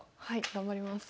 頑張ります。